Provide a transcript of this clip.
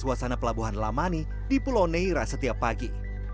suasana pelabuhan lamani di pulau neira setiap pagi